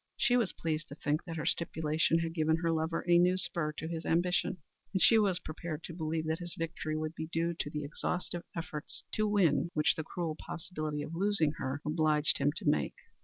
She was pleased to think that her stipulation had given her lover a new spur to his ambition, and she was prepared to believe that his victory would be due to the exhaustive efforts to win which the cruel possibility of losing her obliged him to make.